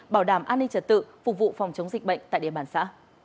bảo đảm an ninh trật tự phục vụ phòng chống dịch bệnh tại địa bàn xã